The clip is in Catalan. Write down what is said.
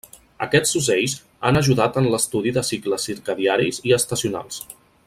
Aquests ocells han ajudat en l'estudi de cicles circadiaris i estacionals.